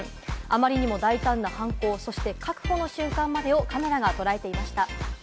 あまりにも大胆な犯行、そして確保の瞬間までをカメラがとらえていました。